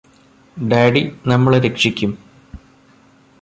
daddy നമ്മളെ രക്ഷിക്കും